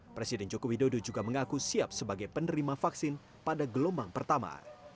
presiden joko widodo juga mengaku siap sebagai penerima vaksin pada gelombang pertama